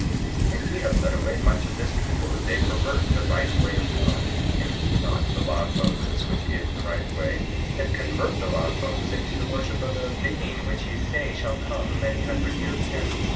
7:7 And ye have led away much of this people that they pervert the right way of God, and keep not the law of Moses which is the right way; and convert the law of Moses into the worship of a being which ye say shall come many hundred years hence.